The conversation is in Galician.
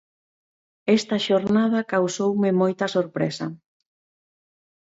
Esta xornada causoume moita sorpresa.